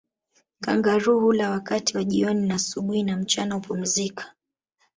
Kangaroo hula wakati wa jioni na asubuhi na mchana hupumzika